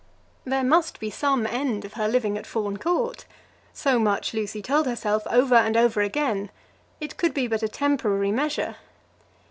There must be some end of her living at Fawn Court. So much Lucy told herself over and over again. It could be but a temporary measure.